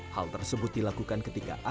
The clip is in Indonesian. hal tersebut dilakukan ketika ada animasi